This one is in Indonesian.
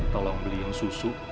tolong beli yang susu